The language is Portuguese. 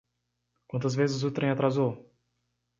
Quantas vezes o trem atrasou?